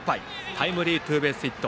タイムリーツーベースヒット。